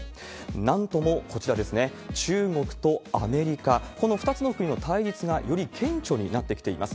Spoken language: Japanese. なんとも、こちらですね、中国とアメリカ、この２つの国の対立がより顕著になってきています。